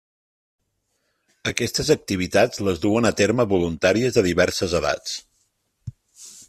Aquestes activitats les duen a terme voluntàries de diverses edats.